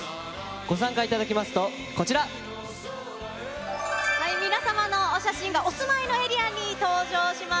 ご参加いただきますと、皆様のお写真がお住いのエリアに登場します。